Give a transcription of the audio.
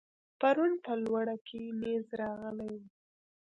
پرون په لوړه کې نېز راغلی و.